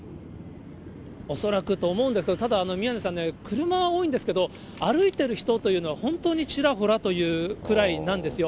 恐らくと思うんですけれども、ただ宮根さんね、車は多いんですけど、歩いている人というのは本当にちらほらというくらいなんですよ。